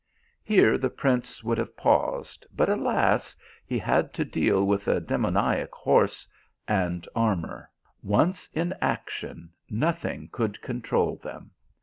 Here the prince would have paused, but alas ! he had to THE PILGRIM OF LOVE. 215 deal with a demoniac horse and armour : once in action, nothing could control them.